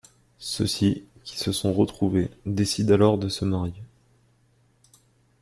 Ceux-ci, qui se sont retrouvés, décident alors de se marier.